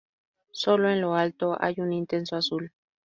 Solo en lo alto hay un intenso azul.